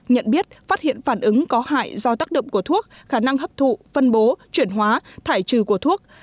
nhận biết phát hiện phản ứng có hại do tác động của thuốc khả năng hấp thụ phân bố chuyển hóa thải trừ của thuốc